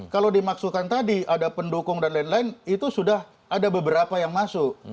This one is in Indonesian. kalau dimaksudkan tadi ada pendukung dan lain lain itu sudah ada beberapa yang masuk